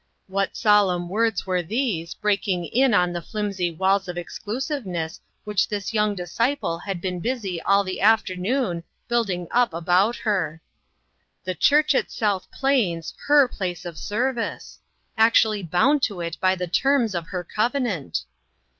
What solemn words were these, breaking in on the flimsy walls of exclusiveness which this young disciple had been busy all the afternoon building up about her ! The church at South Plains her place of service ! actu ally bound to it by the terms of her cov enant!